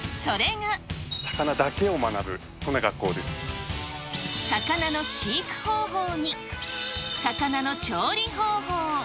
魚だけを学ぶ、そんな学校で魚の飼育方法に、魚の調理方法。